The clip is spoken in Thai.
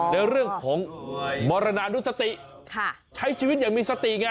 ในเรื่องของมรณานุสติใช้ชีวิตอย่างมีสติไง